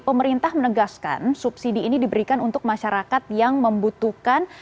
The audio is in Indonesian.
pemerintah menegaskan subsidi ini diberikan untuk masyarakat yang membutuhkan